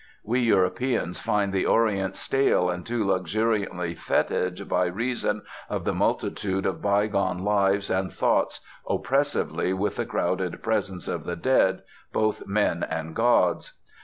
We Europeans find the Orient stale and too luxuriantly fetid by reason of the multitude of bygone lives and thoughts, oppressive with the crowded presence of the dead, both men and gods.